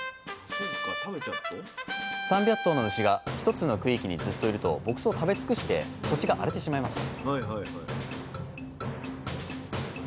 ３００頭の牛が一つの区域にずっといると牧草を食べつくして土地が荒れてしまいます